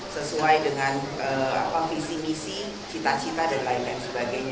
sesuai dengan visi misi cita cita dan lain lain sebagainya